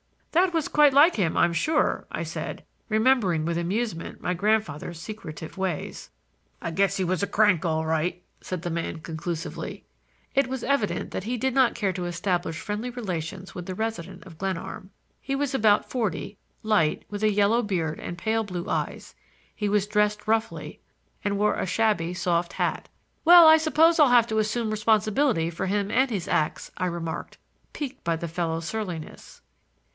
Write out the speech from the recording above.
"That was quite like him, I'm sure," I said, remembering with amusement my grandfather's secretive ways. "I guess he was a crank all right," said the man conclusively. It was evident that he did not care to establish friendly relations with the resident of Glenarm. He was about forty, light, with a yellow beard and pale blue eyes. He was dressed roughly and wore a shabby soft hat. "Well, I suppose I'll have to assume responsibility for him and his acts," I remarked, piqued by the fellow's surliness.